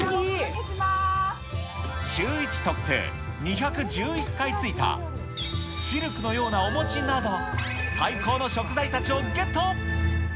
シューイチ特製、２１１回ついたシルクのようなお餅など、最高の食材たちをゲット。